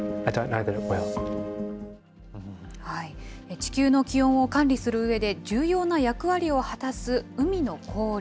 地球の気温を管理するうえで重要な役割を果たす海の氷。